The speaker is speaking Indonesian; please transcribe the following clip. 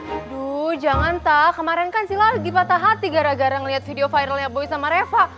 aduh jangan tak kemarin kan sila lagi patah hati gara gara ngeliat video viralnya boy sama reva